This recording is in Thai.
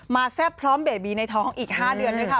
แซ่บพร้อมเบบีในท้องอีก๕เดือนด้วยค่ะ